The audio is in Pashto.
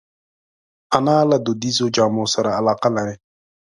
انا له دودیزو جامو سره علاقه لري